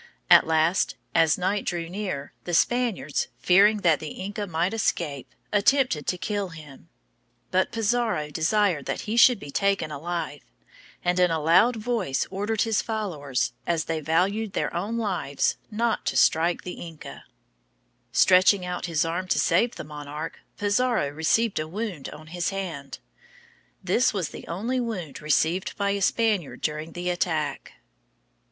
At last, as night drew near, the Spaniards, fearing that the Inca might escape, attempted to kill him. [Illustration: The Spaniards Attacking the Inca's Escort.] But Pizarro desired that he should be taken alive, and in a loud voice ordered his followers, as they valued their own lives, not to strike the Inca. Stretching out his arm to save the monarch, Pizarro received a wound on his hand, This was the only wound received by a Spaniard during the attack.